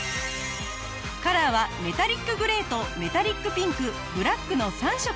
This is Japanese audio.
カラーはメタリックグレーとメタリックピンクブラックの３色です。